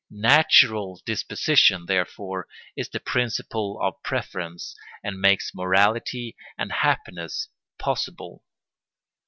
Natural disposition, therefore, is the principle of preference and makes morality and happiness possible.